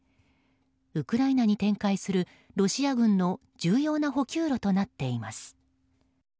ウクライナに展開するロシア軍の重要な補給路となっています。